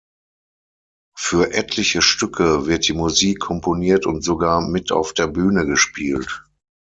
Für etliche Stücke wird die Musik komponiert und sogar mit auf der Bühne gespielt.